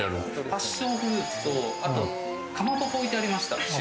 パッションフルーツと、かまぼこ置いてありました。